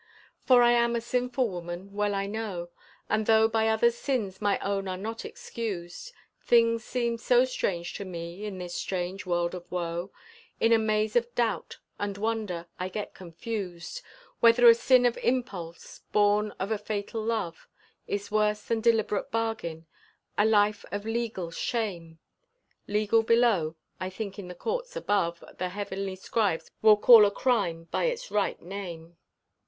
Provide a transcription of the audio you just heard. For I am a sinful woman, well I know, And though by others' sins my own are not excused Things seem so strange to me in this strange world of woe, In a maze of doubt and wonder I get confused; Whether a sin of impulse, born of a fatal love, Is worse than deliberate bargain, a life of legal shame, Legal below, I think in the courts above The heavenly scribes will call a crime by its right name.